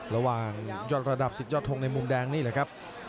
ระหว่างยอดระดับสิทธิยอดทงในมุมแดงนี่แหละครับ